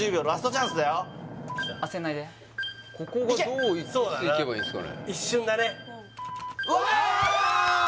ここがどういついけばいいですかね